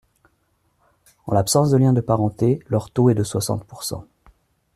En l’absence de lien de parenté, leur taux est de soixante pourcent.